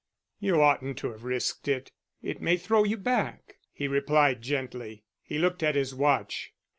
"You oughtn't to have risked it. It may throw you back," he replied, gently. He looked at his watch.